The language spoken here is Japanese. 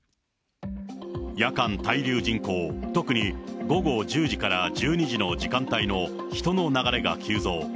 夜間滞留人口、特に午後１０時から１２時の時間帯の人の流れが急増。